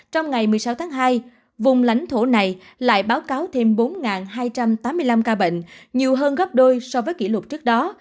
trong ngày một mươi sáu tháng hai vùng lãnh thổ này lại báo cáo thêm bốn hai trăm tám mươi năm ca bệnh nhiều hơn gấp đôi so với kỷ lục trước đó